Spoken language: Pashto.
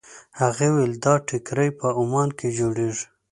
هغې وویل دا ټیکري په عمان کې جوړېږي.